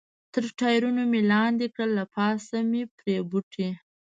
تر ټایرونو مې لاندې کړل، له پاسه مې پرې بوټي.